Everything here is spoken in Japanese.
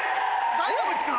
大丈夫ですか？